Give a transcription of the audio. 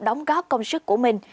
đóng góp công sức của mình